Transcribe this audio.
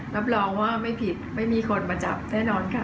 รับรองว่าไม่ผิดไม่มีคนมาจับแน่นอนค่ะ